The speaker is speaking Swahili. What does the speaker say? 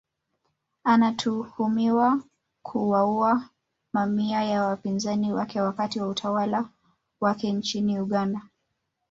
Anatuhumiwa kuwaua mamia ya wapinzani wake wakati wa utawala wake nchini Uganda